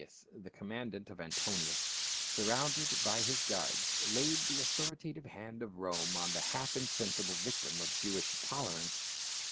and Lysias the commandant of Antonia, surrounded by his guards laid the au thoritative hand of Rome on the half insensible victim of Jewish intolerance.